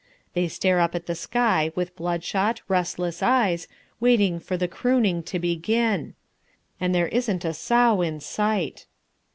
They stare up at the sky with blood shot, restless eyes, waiting for the crooning to begin. And there isn't a sow in sight.